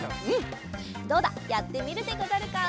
どうだやってみるでござるか？